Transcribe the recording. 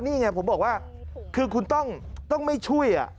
นี่ไงผมบอกว่าคือคุณต้องไม่ช่วย